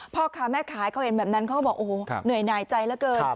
พ่อค้าแม่ขายเขาเห็นแบบนั้นเขาก็บอกโอ้โหเหนื่อยหน่ายใจเหลือเกิน